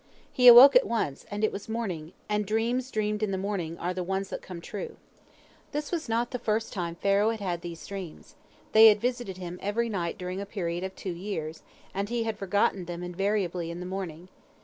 He awoke at once, and it was morning, and dreams dreamed in the morning are the ones that come true. This was not the first time Pharaoh had had these dreams. They had visited him every night during a period of two years, and he had forgotten them invariably in the morning.